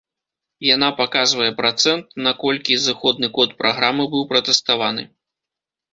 Яна паказвае працэнт, наколькі зыходны код праграмы быў пратэставаны.